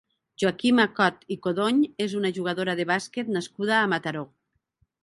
Joaquima Cot i Codony és una jugadora de bàsquet nascuda a Mataró.